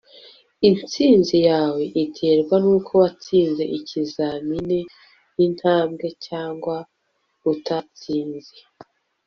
intsinzi yawe iterwa nuko watsinze ikizamini intambwe cyangwa utatsinze